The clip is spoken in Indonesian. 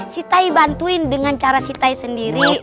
si tai bantuin dengan cara si tai sendiri